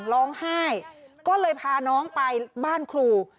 ร้องไห้ก็เลยพาน้องไปบ้านครู